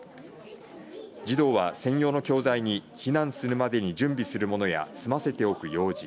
児童は専用の教材に避難するまでに準備するものや済ませておく用事